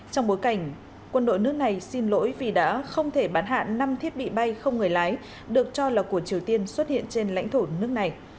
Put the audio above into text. trong bối cảnh quân đội nước này xin lỗi vì đã không thể bán hạ năm thiết bị bay không người lái được cho là của triều tiên xuất hiện trên lãnh thổ nước này